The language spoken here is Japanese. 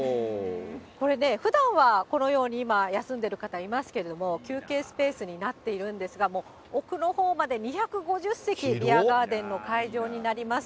これね、ふだんはこのように今、休んでる方いますけれども、休憩スペースになっているんですが、もう奥のほうまで２５０席、ビアガーデンの会場になります。